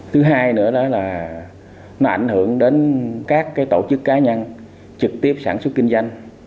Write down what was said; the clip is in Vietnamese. thứ hai nữa đó là nó ảnh hưởng đến các tổ chức cá nhân trực tiếp sản xuất kinh doanh